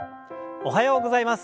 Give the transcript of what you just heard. おはようございます。